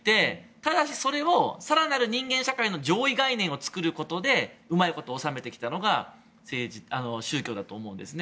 ただしそれを更なる人間世界の上位概念を作ることでうまいこと収めてきたのが宗教だと思うんですね。